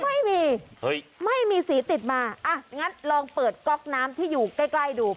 ไม่มีไม่มีสีติดมาอ่ะงั้นลองเปิดก๊อกน้ำที่อยู่ใกล้ใกล้ดู